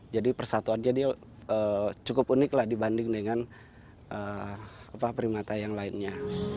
jadi persatuan jadi cukup unik dibanding dengan primata yang lainnya